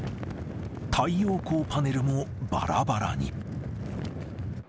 太陽光パネルもばらばらに。